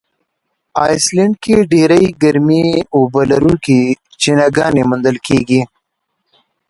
آیسلنډ کې ډېرې ګرمي اوبه لرونکي چینهګانې موندل کیږي.